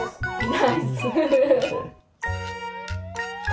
ナイス。